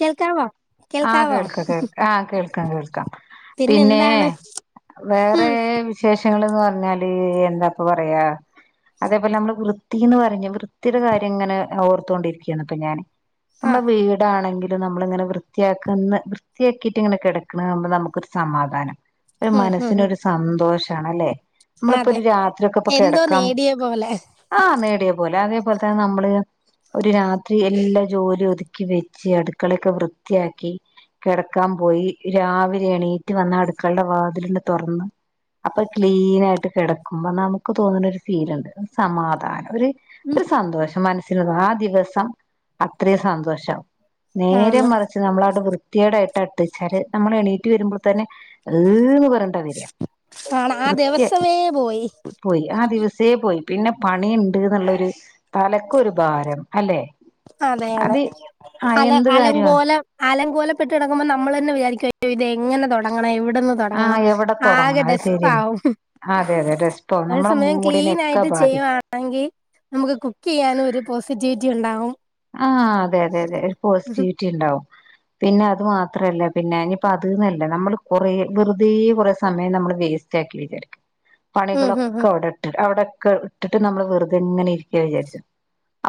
കേൾക്കാ വോ ആ കേൾക്ക കേൾക്ക ആ കേൾക്കാം കേൾക്കാം പിന്നെ വേറെ ഉം വിശേഷങ്ങള് ന്ന് പർഞ്ഞാല് എന്താപ്പ പറയാ അതേപോലെ നമ്മള് വൃത്തി ന്ന് പറഞ്ഞ് വൃത്തിയുടെ കാര്യങ്ങനെ ഓർത്തോണ്ടിരിക്കയാണ് പ്പൊ ഞാന് ആ നമ്മള വീ ട് ആണെങ്കിലും നമ്മള് ഇങ്ങനെ വൃത്തിയാക്ക്ന്ന വൃത്തിയാക്കിട്ട് ഇങ്ങനെ കിടക്കണത് കാണുമ്പോ നമുക്കൊരു സമാധാനാ. ഒരു ഉം ഉം മനസ്സിനൊരു സന്തോഷാണല്ലേ? നമ്മളിപ്പോ അതെ ഒരു രാത്രി ഒക്കെ ഇപ്പൊ എന്തോ കിടക്കാം നേടിയ പോലെ ആഹ്, നേടിയ പോലെ അതേപോലെ തന്നെ നമ്മള് ഒരു രാത്രി എല്ലാ ജോലി ഒതുക്കി വെ ച്ച് അടുക്കളൊക്കെ വൃത്തിയാക്കി കിടക്കാൻ പോയി രാവിലെ എണീറ്റ് വന്ന അടുക്കളന്റെ വാതില്ണ്ട് തുറന്ന് അപ്പൊ ക്ലീൻ ആയിട്ട് കിടക്കുമ്പോ നമുക്ക് തോന്നുന്ന ഒരു ഫീലുണ്ട് ഒര് സമാധാനം ഒര് ഉം ഒരു സന്തോഷം മനസ്സിൽ ആ ദിവസം അത്രയും സന്തോഷം. നേരെ ആന്ന് മറി നമ്മളവിടെ വൃത്തിക്കെടായിട്ടാ ഇട്ട്ച്ചാല് നമ്മൾ എണീറ്റ് വരുമ്പോൾ തന്നെ അഹ് ഈ എന്ന് പറയ് ആണ് ആ ദിവസമേ പോയി. പോയി, ആ ദിവസേ പോയി പിന്നെ പണിണ്ട്ന്ന്ള്ളൊരു തലക്കൊരു ഭാരം അല്ലെ? അതെ, അതെ അത് ആ അല എന്ത് കാര്യ അലങ്കോലം അലങ്കോലപ്പെട്ട് കിടക്കുമ്പോ നമ്മള് തന്നെ വിചാരിക്ക് അ യ്യോ ഇത് എങ്ങനെ തുടങ്ങണം? എവിടന്ന് ആ തുടങ്ങണം? എവിടെ തുടങ്ങണം ആകെ അത് ഡസ്പ്പ് ശരിയാണ് ആവും. ഹ് അതെ, അതെ ഡെസ്പ്പ് ആവും നമ്മളെ മൂടിനൊക്കെ ആയിട്ട് ബാ ചെയ്യുവാണെങ്കിൽ നമുക്ക് കുക്ക് ചെയ്യാനും ഒരു പോസിറ്റിവിറ്റി ഇ ണ്ടാവും. ആഹ്, അതെ, അതെ, അതെ ഒരു പോസിറ്റിവിറ്റി ഉണ്ടാവും. പിന്നെ അത് മാത്രല്ല പിന്നെ ഇഞ്ഞ്പ്പോ അത് എന്നല്ല നമ്മള് കുറേ വെറുതെ കുറേ സമയം നമ്മള് വേസ്റ്റ് റ്റ് ആക്കി വിചാരിക്കും. ഉം ഉം പണികളൊക്കെ ഉം അവിടെ ഇട്ട് അവിടെക്കെ ഇട്ടിട്ട് നമ്മള് വെറുതെ ഇങ്ങനെ ഇരിക്കാന്ന് വിചാരിച്ചോ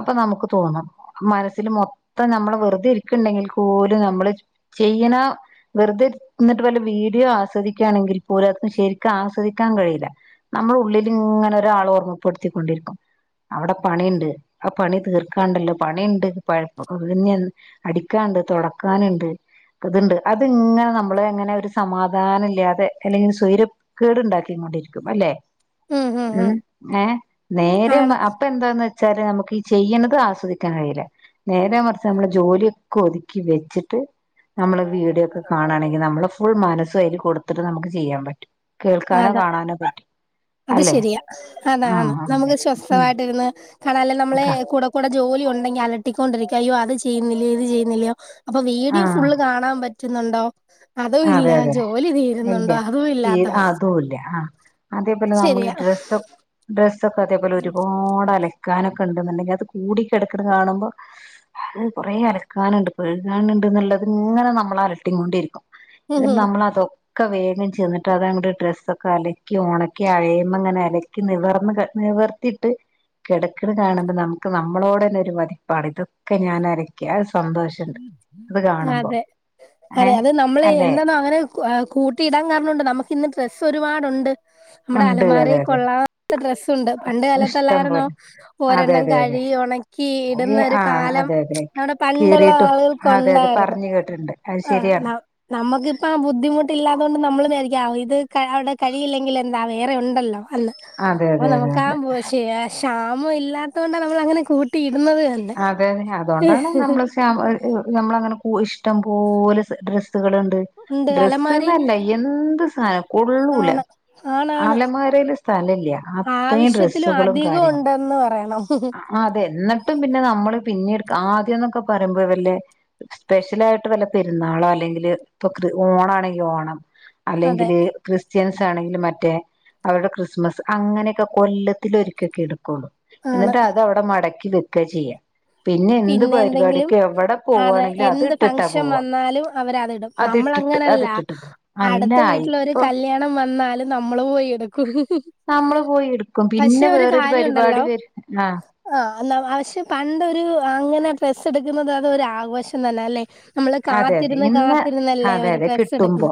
അപ്പൊ നമുക്ക് തോന്നും മനസ്സില് മൊത്തം നമ്മള് വെറുതെ ഇരിക്ക് ഇണ്ടെങ്കിൽ പോലു നമ്മള് ചെയ്യ്ണ വെറുതെ ഇരുന്നിട്ട് വല്ല വീഡിയോ ആസ്വദിക്കാണെങ്കിൽ പോലും അത് ശരിക്ക് ആസ്വദിക്കാൻ കഴിയൂല. നമ്മള ഉള്ളില് ഇങ്ങനെ ഒരാള് ഓർമ്മപ്പെടുത്തിക്കൊണ്ടിരിക്കും. അവിടെ പണിയുണ്ട് ആ പണി തീർക്കാണ്ടല്ലോ പണിയുണ്ട് പ, ഇഞ്ഞ് എൻ അടിക്കാനുണ്ട് തുടക്കാനുണ്ട്. ഇതുണ്ട് അതിങ്ങനെ നമ്മള് എങ്ങനെ ഒരു സമാധാനം ഇല്ലാതെ അല്ലെങ്കിൽ സ്വൈരം കേടുണ്ടാക്കി കൊണ്ടിരിക്കും അല്ലെ? ഉം ഏഹ് നേരെ മ ആണ് അപ്പ എന്താന്ന് വെച്ചാല് നമുക്ക് ഈ ചെയ്യ്ണത് ആസ്വദി ക്കാൻ കഴിയൂല. നേരെ മറിച്ച് നമ്മള ജോലിയൊക്കെ ഒതുക്കി വെച്ചിട്ട് ന്നമ്മള് വീഡിയൊക്കെ കാണ് ആണെങ്കിൽ നമ്മളെ ഫുൾ മനസ്സ് അയില് കൊടുത്തിട്ട് നമുക്ക് ചെയ്യാൻ പറ്റും. കേൾക്കാനോ അതെ കാണാനോ പറ്റും. അത് അല്ലെ ശരിയാ, ആ അതാണ് നമുക്ക് സ്വസ്ഥമായിട്ടിരുന്ന് കണാല്ലോ നമ്മളെ ഓക്കെ കൂടെ കൂടെ ജോലി ഉണ്ടെങ്കിൽ അലട്ടിക്കൊണ്ടിരിക്ക് അയ്യോ അത് ചെയ്യുന്നില്ലയോ ഇത് ചെയ്യുന്നില്ലയോ അപ്പൊ ഉം ആ വീഡിയോ ഫുള്ള് കാണാൻ പറ്റുന്നൊണ്ടോ? അതു ഇല്ല, അതെ അതെ ജോലി തീരുന്നുണ്ടോ അതും ഇല്ലാത്ത അവസ്ഥ. [unintelligible] ആഹ്, അതേപോലെ നമ്മള് ശരിയാ ഡ്രസ്സ് ഡ്രസ്സൊ ഒക്കെ അതേപോലെ ഒരുപാട് അല ക്കാനൊക്കെ ഇണ്ട് എന്നുണ്ടെങ്കിൽ അത് കൂടി കെട്ക്ക്ണ കാണുമ്പ അഹ് കുറേ അലക്കാന്ണ്ട് കഴുകാന്ണ്ട്ന്ന്ള്ളത് ഇങ്ങനെ നമ്മളെ അലട്ടികൊണ്ടിരിക്കും. ഉം എന്ന് ഉം. നമ്മള് അതോ ഒക്കെ വേഗം ചെന്നിട്ട് അത് അങ്ങട്ട് ഡ്രസ്സൊക്കെ അലക്കി ഒണക്കി അഴേമ്മെ ഇങ്ങനെ അലക്കി നിവർന്ന് ക നിവർ ത്തിട്ട് കെട്ക്ക്ണെ കാണുമ്പോ നമുക്ക് നമ്മളോട് തന്നെ ഒരു മതിപ്പാണ്. ഇതൊക്കെ ഞാന് അല ക്കി അഹ് സന്തോഷണ്ട് അത് കാണുമ്പം. ഏഹ് ന്നമ്മള് എന്താന്നോ അങ്ങനെ കൂട്ടിയിടാൻ കാരണോണ്ട് ന്നമുക്ക് ഇന്ന് ഡ്രെസ്സ് ഒരുപാടുണ്ട് ന്നമ്മടെ ഉണ്ട് അതെ അലമാരയില് അതെ കൊള്ളാത്ത ഡ്രസ്സുണ്ട് പണ്ട് ഇഷ്ടം കാലത്തല്ലാരുന്നോ പോലെ അതെ ഓരെണ്ണം അതെ കഴികി ഒണ കീ അതെ ഇടുന്നൊരു ആഹ് കാലം അതെ അതെ ന്നമ്മുടെ പണ്ടുള്ള ആളുകൾക് ഒണ്ടായിരുന്നു. ട്ടിണ്ട് ആഹ് ന്നമ്മക്കിപ്പം ആ ബുദ്ധിമുട്ട്ല്ലാതോണ്ട് ന്നമ്മൾ ന്നേരിക്കും ഇത് അവിടെ കഴിയില്ലെങ്കിൽ എന്താ വേറെണ്ടല്ലോ. അല്ല അതെ അപ്പൊ അതെ അതെ ന്നമുക്കാ അതെ ബുശെ ക്ഷാമം ഇല്ലാത്തോണ്ടാണ് ന്നമ്മൾ അങ്ങനെ കൂട്ടിയിടുന്നത്തന്നെ അതെ അതോണ്ടാണ് ന്നമ്മള് പെ ന്നമ്മള് ഹ് അങ്ങനെ ഇഷ്ട്ടം പോലെ ഡ്രെസ്സുകള്ണ്ട്. ഉണ്ട് അലമാരി ഡ്രെസ്സ്ന്നല്ല എന്ത് സാനം കൊള്ളൂല ആണ് ആണാണ് അലമാരേല് സ്ഥലല്ല അത്രേം ആവശ്യത്തിലും ഡ്രസ്സുകളും അധികം ഉണ്ടെന്ന് പറയണം കാര്യങ്ങളുംഅഅതെ ന്ന ട്ടും പിന്നെ ന്നമ്മള് പിന്നെ ഇട്ക്ക് ആദ്യംന്നൊക്കെ പറയുമ്പോ വല്ലേ സ്പെഷ്യലായിട്ട് വല്ല്യേ പെരുന്നാളോ അല്ലെങ്കില് ഇപ്പൊ കൃ ഓണാ ആണെങ്കിൽ ഓണം. അതെ അല്ലെങ്കില് ക്രിസ്ത്യൻസ് ആണെങ്കിലും മറ്റേ അവരുടെ ക്രിസ്മസ് അങ്ങനെയൊക്കെ കൊല്ലത്തില് ഒരിക്കൊക്കെ എടുക്കൊള്ളു. ആണ് ഇന്നട്ട് അത് ഔടെ മടക്കി വെക്ക ചെയ്യ. പിന്നെ എന്ത് പരിപാടിക്ക് എവിടെ അതെ പോവാണെങ്കിലും അത് ഇട്ടിട്ടാ പോവാ. അത് ന്നമ്മള് ഇട്ടിട്ട് അത് അങ്ങനല്ല ഇട്ടിട്ട് പോവും അല്ല അടുത്ത വീട്ടിലൊരു ഇപ്പൊ കല്യാണം വന്നാലും ന്നമ്മള് പോയി എട്ക്കും. ന്നമ്മള് പോയി എട്ക്കും പിന്നെ വേറൊരു കാര്യമുണ്ടല്ലോ പരിപാടി വെര് ആ ആഹ് എന്നാ പശെ പണ്ടൊരു അങ്ങനെ ഡ്രസ്സ് എടുക്കുന്നത് അതൊരു ആഘോഷം തന്നെഅല്ലെ? ന്നമ്മള് അതെ അതെ കാത്തിരുന്ന് ഇന്ന് കാത്തിരുന്നല്ലേ അതെ ഒരു അതെ ഡ്രസ്സ് കിട്ടുമ്പോ എടുക്കുന്ന്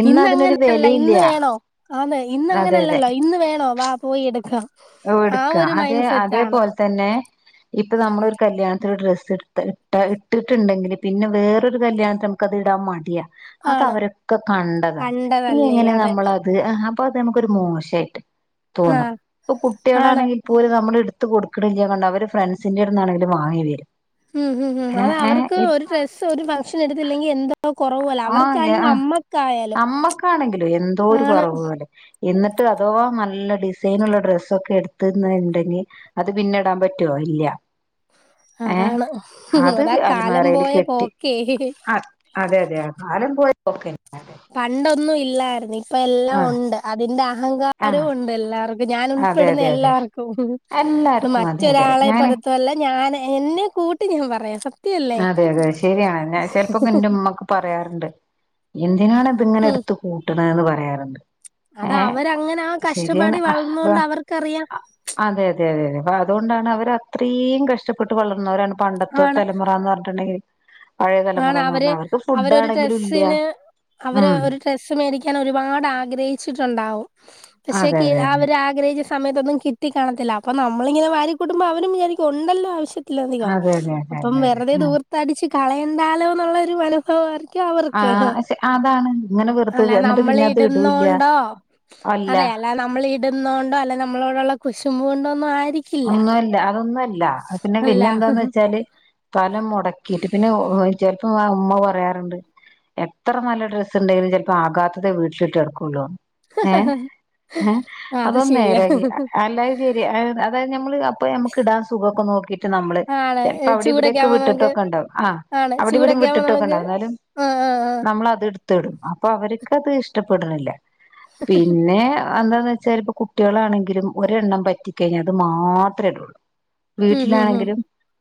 ഇന്ന് അതിനൊരു ഇന്നങ്ങനെയല്ല വിലയില്ല ഇന്ന് വേണോ ആന്ന് ഇന്ന് അതെ അതെ അങ്ങനെയല്ലല്ലോ ഇന്ന് വേണോ വാ പോയി എടുക്കാം. ഓഹ് ആ എടുക്കാം ഒരു അതെ, മൈൻഡ് സെറ്റ് ആണ് അതേപോലെതന്നെ ഇപ്പൊ ന്നമ്മളൊരു കല്യാണത്തിന് ഡ്രസ്സ് ഇട്ത്ത് ഇട്ടാ ഇട്ട്ട്ട്ണ്ടെങ്കില് പിന്നെ വേറൊരു കല്യാണത്തിന് നം ക്കത് ഇടാൻ മടിയാ ആണ് അതഅവരൊക്കെ കണ്ടതാ പിന്നെ കണ്ടതല്ലേ എങ്ങനെ അതെ ന്നമ്മളക്കെ ത് അപ്പൊ അത് ന്നമ്മക്കൊരു മോശമായിട്ട് തോന്നും ആഹ് ഇപ്പൊ ആണ് കുട്ടികളാണെങ്കി പോലും ന്നമ്മൾ ഇട്ത്ത് കൊട്ക്ക്ണില്ല അവര് ഫ്രണ്ട്സിന്റെട്ത്ത്ന്നാണെലും വാങ്ങിവെരും. ഉം ഉം ഉം അവ അവർക്ക് ഒര് ഡ്രസ്സ് ഒരു ഫംഗ്ഷന് എടുത്തില്ലെങ്കി എന്താ ആഹ്, ഹ്യ ആ അമ്മക്കാണെങ്കിലോ എന്തോഒരു ആണ് കൊർവ് പോലെ. ഇന്ന്ട്ടോ അദോ ന്നല്ലെ ഡിസൈനുള്ള ഡ്രസ്സൊക്കെട് ത്ത്ന്ന ഇണ്ടെങ്കിൽ അത് പിന്നെടാൻ പറ്റോഇല്ല. ഏഹ് അതാണ് അത് അതാ കാലം അൽമേറില് പോയ കെട്ടി പോക്കേ അ അതെ, അതെ, കാലംപോയപോക്കേ. പണ്ടൊന്നും ഇല്ലായ്ര്ന്നി. ഇപ്പ എല്ലാം ആ ഒണ്ട് അതിന്റെ ആ അഹങ്കാരോം ഒണ്ട് എല്ലാർക്കും ഞാൻ അതെ ഉൾപ്പെടുന്ന അതെ അതെ എല്ലാർക്കും. ത് എല്ലാർക്കും അതെ അതെ മറ്റൊരാളെ ഞാന് പെടുത്തുവല്ല ഞാൻ എന്നെ കൂട്ടി ഞാൻ പറയാം സത്യല്ലേ അതെ അതെ ശെരിയാണ് ഞാൻ ചെലപ്പോക്കെ എന്റെ ഉമ്മക്ക് പറയാറുണ്ട് എന്തിനാണ് ഇതിങ്ങനെ ഉം എടുത്തു കൂട്ടണേന്ന് പറയാറുണ്ട് അത് ഏ അവരങ്ങനാ ശരിയാണ് കഷ്ടപ്പാടിൽ അപ്പൊ വളർന്നൊണ്ട് അവർക്കറിയാം അതെ അതെ അതെയതെ അപ്പൊ അതുകൊണ്ടാണ് അവരത്രേം കഷ്ടപ്പെട്ട് വളർന്നവരാണ് പണ്ടത്തെ ആണ് തല പറഞ്ഞിട്ടുണ്ടെങ്കി പഴയ ആണ് തലമുറേന്ന് അവര് പറഞ്ഞാ അവർക്ക് അവരൊരു ഫുഡാണെങ്കിലും ഇല്യ ഡ്രസ്സിന് അവര് ഉം ഒരു ഡ്രസ്സ് മേടിക്കാൻ ഒരുപാട് ആഗ്രഹിച്ചിട്ടൊണ്ടാവും അതെ പക്ഷെങ്കിൽ അതെ അതെ അവര് ആഗ്രഹിച്ച സമയത്തൊന്നും കി ട്ടിക്കാണത്തില്ല അപ്പം നമ്മളിങ്ങനെ വാരി കൂട്ടുമ്പോ അവരും വിചാരിക്കും ഒണ്ടല്ലോ ആവശ്യ ത്തിലധികം അതെ അതെ അപ്പം അതെ അതെ വെറുതെ അതെ ദൂർത്തടിച്ച് കളയണ്ടാലോന്നുള്ള ഒരു മന സ്സ്ഓ ആർക്കും ആ അവർക്ക് ആ ശ- അതാണ് ഇങ്ങനെ വെറുതെ അല്ലാതെ എന്നിട്ട് നമ്മള് പിന്നെ അത് ഇടൂല്ല ഇടുന്നൊണ്ടോ അല്ല അതെ അല്ലാതെ നമ്മള് ഇടുന്നൊണ്ടോ അല്ലെ നമ്മളോടുള്ള കുശുമ്പു കൊണ്ടൊന്നും ആരിക് ഒന്നുവല്ല അതൊന്നുവതല്ല അത് പിന്നെ അല്ല പിന്നെ എന്താന്ന് വെച്ചാ ല് സ്ഥലം മൊടക്കിട്ട് പിന്നെ ഓഹ് ഏഹ് ചെല്പം ഉമ്മ പറയാറുണ്ട് എത്ര നല്ല ഡ്രസ്സ് ഇണ്ടേലും ചെലപ്പോ ആകാത്തതേ വീട്ടിലിട്ട് നടുക്കുള്ളൂന്ന് ഏഹ് ഏഹ് അത് അതൊന്നു ശരിയാ നേരെയാക്കി അ അല്ല അത് ശെരിയാ ആ അത് ക്കെ ഞമ്മള് അപ്പൊ നമക്ക് ഇടാൻ സുഖൊക്കെ നോക്കിട്ട് നമ്മള് ആണ് ചെലപ്പോ അവിടെ ചൂടൊക്കെ ഇവിടെയൊക്കെ ആവുമ്പോ നമുക്ക് വിട്ടിട്ടൊക്കെ ഉണ്ടാവും ആഹ് അവിടെം ഇവിടെം വിട്ടിട്ടൊക്കെണ്ടാവും എന്നാലും ആഹ് ആഹ് ആഹ് നമ്മളത് എടുത്തിടും അപ്പോ അവരിക്കത് ഇഷ്ടപ്പെടുന്നില്ല പിന്നെ എന്താന്ന് വെച്ചാൽ ഇപ്പൊ കുട്ടികളാണെങ്കിലും ഒരെണ്ണം പറ്റിക്കഴിഞ്ഞാ അത് മാത്രേ ഇടുവൊള്ളു ഉം ഹും ഹും വീട്ടിലാണെങ്കിലും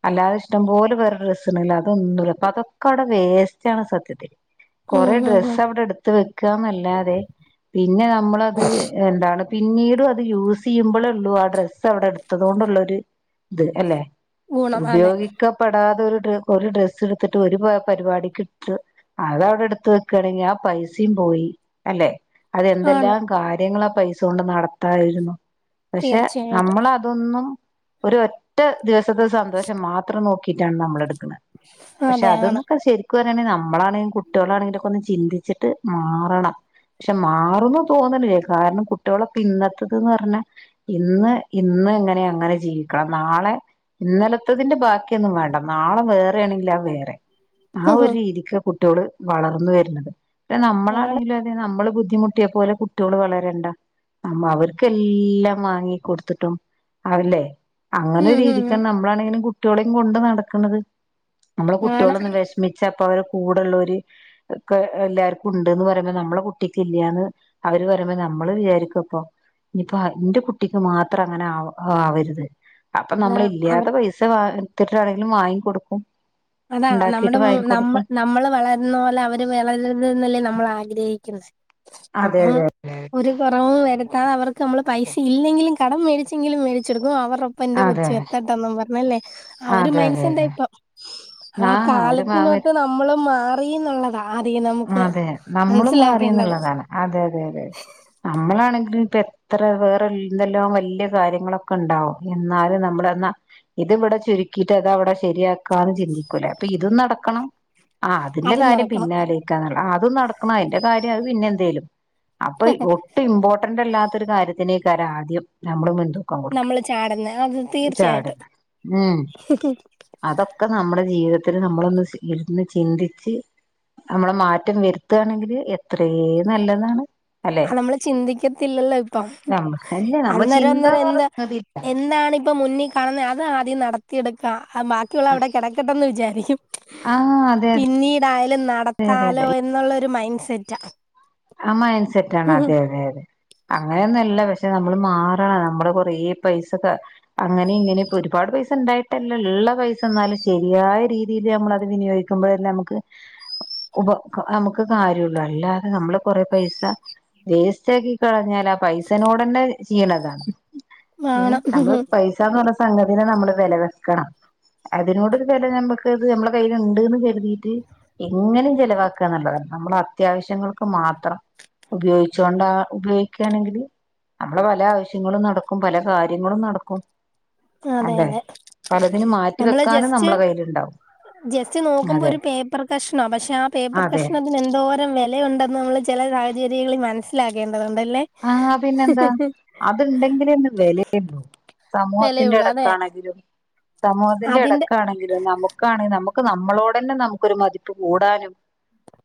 അല്ലാതെ ഇഷ്ടം പോലെ വേറെ ഡ്രസ്സിണ്ടങ്കിലും അതൊന്നുല്ല അപ്പൊ അതൊക്കെ അവിടെ വേസ്റ്റാണ് സത്യത്തിൽ ഉം കൊറെ ഹും ഹും ഡ്രസ്സവിടെ എടുത്ത് വെക്കുവാന്നല്ലാതെ പിന്നെ നമ്മളത് എന്താണ് പിന്നീടും അത് യൂസ് യ്യുമ്പളെ ഉള്ളൂ ആ ഡ്രസ്സ് അവിടെ എടുത്തത്കൊണ്ടുള്ള ഒരു ഇത് അല്ലെ ഗുണം അതെ ഉപയോഗിക്കപ്പെടാതെ ഒരു ഡ്ര ഒരു ഡ്രസ്സ് എടുത്തിട്ട് ഒരു പ പരിപാടിക്ക് ഇട്ട് അതവിടെ എടുത്ത് വെക്കുവാണെങ്കിൽ ആ പൈസേം പോയി അല്ലെ ആണ് അതെന്തെല്ലാം കാര്യങ്ങളാ പൈസ കൊണ്ട് നടത്തായിരുന്നു പക്ഷെ തീർച്ചയായിട്ടും നമ്മളതൊന്നും ഒരു പ ഒറ്റ ദിവസത്തെ സന്തോഷം മാത്രം നോക്കിട്ടാണ് നമ്മളെടുക്കുന്നെ പക്ഷെ അതെ ആണ് അതൊന്നുത്ര ശെരി ക്കു പറയാണെ നമ്മളാണെം കുട്ടികളാണെങ്കിലൊക്കെ ഒന്ന് ചിന്തിച്ചിട്ട് മാറണം പക്ഷെ മാറുന്നു തോന്നണില്ല കാരണം കുട്ടികളൊക്കെ ഇന്നത്തേതെന്ന് പറഞ്ഞാ ഇന്ന് ഇന്ന് എങ്ങനെ അങ്ങനെ ജീവിക്കണം നാളെ ഇന്നലത്തതിന്റെ ബാക്കിയൊന്നും വേണ്ട നാളെ വേറെ ആണെങ്കിൽ അത് വേറെ ആ ഹും ഒരു ഹും രീതിക്കാ കുട്ട്യോള് വളർന്നു വരുന്നത് ക്ഷെ ആണ് നമ്മളാണെിലും അതെ നമ്മള് ബുദ്ധിമു ട്ടിയെ പോലെ കുട്ട്യോള് വളരണ്ടാ നമ്മ അവർക്കെല്ലാം വാങ്ങി കൊടു ട്ടും ആവില്ലെ അങ്ങനൊരു ഉം ഹും രീതിക്കാ ഹും ന നമ്മളാണേലും കുട്ടികളെയും കൊണ്ട് നടക്കണത് നമ്മള് ആണ് കുട്ടികളൊന്ന് വെഷ മിച്ചാ ഇപ്പൊ അവര്ടെ കൂടൊള്ളോര് ഒക്കെ എല്ലാർക്കും ഉണ്ട്ന്ന് പറയുമ്പോ നമ്മളെ കുട്ടിക്ക് ഇല്ല്യാന്ന് അവര് പറയുമ്പോ നമ്മള് വിചാരിക്കു അപ്പം ഇനിപ്പൊ എന്റെ കുട്ടിക്ക് മാ ത്ര അങ്ങനെ ആവ ആവരുത് അപ്പൊ അതാ അവർ നമ്മളില്ല്യാത്ത പൈസ വാ ത്തിട്ടാണെങ്കിലും വാങ്ങി കൊടുക്കും അതാ നമ്മുടെ മോ നമ്മ നമ്മള് വള ന്നോലെ അവര് വളരരുതെന്നല്ലേ നമ്മളാഗ്രഹിക്കുന്നത് അതെ അപ്പം അതെ അതെ ഒരു കുറവും വരുത്താത് അവർക്ക് നമ്മള് പൈസ ഇല്ലെങ്കിലും കടം മേടിച്ചെങ്കിലും മേടിച്ചെടുക്കും അവറൊ പ്പം എന്റെ അതെ കൊച്ചും എത്തട്ടെന്നും പറഞ്ഞല്ലേ ആ ഒരു അതെ അതെ മനസ്സിന്റെയാ അതെ ഇപ്പം അതാ ആ ഒരു മാ കാലത്തിനൊത്ത് നമ്മളും മാറിന്നൊള്ളതാ ആദ്യം നമുക്ക് അതെ നമ്മളും മനസിലാക്കേണ്ടത് മാറിന്നുള്ളതാണ് അതെ അതെ അതെ നമ്മളാണെങ്കിലും തെ അത്ര വേറെ എന്തെല്ലോം വല്യ കാര്യങ്ങളൊക്കെണ്ടാവും എന്നാലും നമ്മളെന്നാ ഇത്വ്ടെ ചുരുക്കീട്ട് അതവടെ ശരിയാക്കാന് ചിന്തിക്കൂലേ അപ്പൊതും നടക്കണം ആഹ് അതിന്റെ അതും കാര്യം നടക്കണം പിന്നാലോയ്ക്കന്ന്ള്ള അതും നടക്കണം അയിന്റെ കാര്യം അത് പിന്നെ എന്തേലും അപ്പൊ ഒട്ടും ഇമ്പോർട്ടന്റ് അല്ലാത്തൊരു കാര്യത്തിനേക്കാരം ആദ്യം നമ്മൾ മുന്ന്തു നമ്മള് ചാട്ന്നെ അത് തീർച്ചയായിട്ടും അതൊക്ക നമ്മ്ടെ ജീവിതത്തില് നമ്മളൊന്ന് ഇര്ന്ന് ചിന്തിച്ച് നമ്മള് മാറ്റം വര്ത്താണെങ്കില് എത്രേ നല്ലതാണ് അല്ലെ ആഹ് നമ്മള് ചിന്തിക്കത്തില്ലല്ലൊ ഇപ്പൊ നമ്മ അല്ലേ നമ്മ അന്നേരം അന്നേരം ചിന്താന്ന് എന്ത പറഞ്ഞ സംഗതി എന്താണ് ഇപ്പൊ മുന്നി കാണ്ന്നെ അത് ആദ്യം നടത്തിയെടുക്ക ബാക്കിയുള്ള അവിടെ കിടക്കെട്ടെന്ന് വിചാരിക്കും ആഹ് അതെ അതെ പിന്നീടായാലും അതെ നടത്താലോ അതെ എന്നുള്ളൊര് മൈൻഡ്സെറ്റ ആഹ് മൈൻസെറ്റാണ് അതെ അതെ അതെ അങ്ങനെയൊന്നുല്ല പക്ഷെ നമ്മള് മാറണം നമ്മള് കൊറേ പൈസക്കെ അങ്ങനെ ഇങ്ങനെ ഇപ്പ ഒരുപാട് പൈസ ഇണ്ടായിട്ടല്ല ഇള്ള പൈസ ഇന്നാലും ശരിയായ രീതീല് ഞമ്മളത് വിനിയോഗി ക്കുമ്പൊ തന്നെ നമുക്ക് ഉഭ നമ്മക്ക് കാര്യൊള്ളു അല്ലാതെ നമ്മള് കൊറെ പൈസ വേസ്റ്റാക്കി കളഞ്ഞാലാ ആഹ് പൈസനോടെന്നെ ചെയ്യ്ണതാണ് ഉം വേണം നമ്മളൊരു പൈസാന്ന് പർഞ്ഞ സംഗതിനെ നമ്മള് വെല വെക്കണം അതിനോടോരു വെല നമ്മക്കത് നമ്മളെ കയ്യില്ണ്ട്ന്ന് കര്തീട്ട് എങ്ങനിം ചെലവാക്കന്ന്ള്ളതാണ് നമ്മളത്യാവശ്യങ്ങൾക്ക് മാത്രം ഉപയോഗിച്ചോണ്ട ഉപയോഗിക്കാണെങ്കില് നമ്മളെ പല ആവശ്യങ്ങളും നടക്കും പല കാര്യങ്ങളും നടക്കും അതെ അല്ലെ അതെ പലതിനും നമ്മള് മാറ്റിവെക്കാനും ജസ്റ്റ് നമ്മളെ കൈല്ണ്ടാവും ജസ്റ്റ് നോക്കുമ്പൊരു പേപ്പർ കഷ്ണ പക്ഷെ ആഹ് പേപ്പർ അതെ കഷ്ണ തിനെന്തോരം വെലയുണ്ടെന്ന് നമ്മള് ചില സാഹചര്യങ്ങളിൽ മനസ്സിലാക്കേണ്ടതുണ്ടല്ലെ ആഹ് പിന്നെന്താ അത്ണ്ടെങ്കിലെ ഇന്ന് വെലയ്ള്ളു സമൂഹത്തിന്റെ വിലയുള്ളൂ അതെ എടക്കാണെങ്കിലും സമൂഹത്തിന്റെ അതിന്റെ എടക്കാണെങ്കിലും നമു ക്കാണ് നമുക്ക് നമ്മളോടെന്നെ നമുക്കൊരു മതിപ്പ് കൂടാനും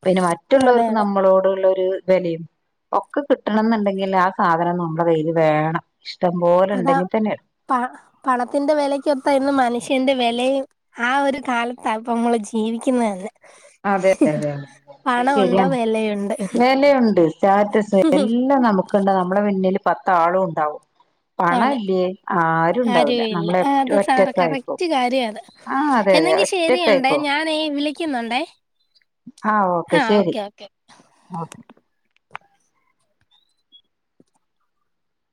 പിന്നെ അതെ മറ്റുള്ളോർക്ക് അതെ നമ്മളോടുള്ളൊരു വെലയും ഒക്ക കി കിട്ടണംന്ന്ണ്ടെങ്കില് ആഹ് സാധനം നമ്മളെ കയ്യില് വേണം ഇഷ്ടംപോലെ അതാ ഇണ്ടെങ്കി തന്നെ പ പണത്തിന്റെ വെലക്കൊത്തഎന്നും മനുഷ്യന്റെ വെലയും ആഹ് ഒരു കാലത്താപ്പൊ ഇമ്മള് ജീവിക്കുന്നന്നെ അതെ അതെ അതെ അതെ അത്ശരിയാണ് വിലയുണ്ട് വേലയുണ്ട് സ്റ്റാറ്റസ് എല്ലാം നമു ക്ക്ണ്ട് നമ്മളെ പിന്നില് പത്താളു ഇണ്ടാവും അതെ പണല്ലേ ആരുംണ്ടാവുല ആരും ഇല്ല നമ്മളെപ്റ്റു അത് സാറ് ഒറ്റക്കായിപ്പോവും കറക്റ്റ് കാര്യ അത് ആഹ് അതെ അതെ ഒറ്റക്കായിപ്പോവും ക്കുന്നുണ്ടെ ആഹ് ഓക്കെ ശരി ഓക്കെ